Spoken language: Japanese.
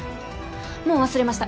もう忘れました